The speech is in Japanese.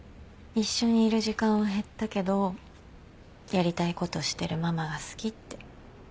一緒にいる時間は減ったけどやりたいことしてるママが好きって。